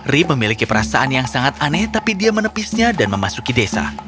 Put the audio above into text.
rip memiliki perasaan yang sangat aneh tapi dia menepisnya dan memasuki desa